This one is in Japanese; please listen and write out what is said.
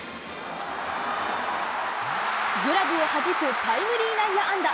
グラブをはじくタイムリー内野安打。